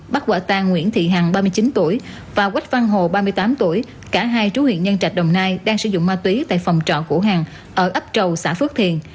bắt quả tang nguyễn thị hằng ba mươi chín tuổi và quách văn hồ ba mươi tám tuổi cả hai chú huyện nhân trạch đồng nai đang sử dụng ma túy tại phòng trọ của hàng ở ấp trầu xã phước thiền